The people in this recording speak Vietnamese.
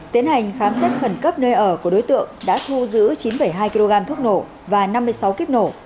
tiến hành khám xét khẩn cấp nơi ở của đối tượng đã thu giữ chín hai kg thuốc nổ và năm mươi sáu kíp nổ